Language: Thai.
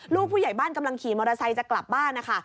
ผู้ใหญ่บ้านกำลังขี่มอเตอร์ไซค์จะกลับบ้านนะคะ